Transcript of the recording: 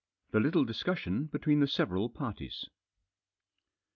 THE LITTLE DISCUSSION BETWEEN THE SEVERAL PARTIES.